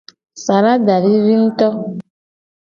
Salada vivi nguto.